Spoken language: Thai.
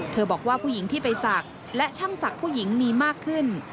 บอกว่าผู้หญิงที่ไปศักดิ์และช่างศักดิ์ผู้หญิงมีมากขึ้น